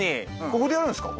ここでやるんですか？